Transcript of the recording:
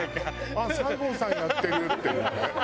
あっ西郷さんやってるっていうね。